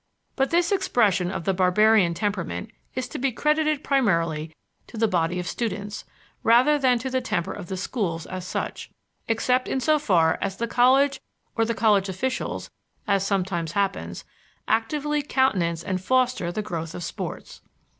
But this expression of the barbarian temperament is to be credited primarily to the body of students, rather than to the temper of the schools as such; except in so far as the colleges or the college officials as sometimes happens actively countenance and foster the growth of sports.